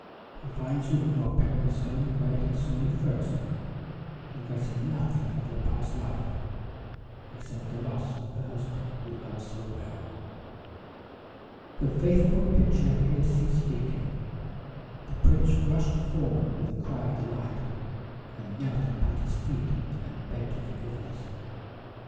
He finds you in your parents' home where he saw you first, regretting nothing of your past life, except the loss of the husband you love so well." The faithful pitcher here ceased speaking. The prince rushed forward with a cry of delight, and knelt at Patty's feet and begged her forgiveness.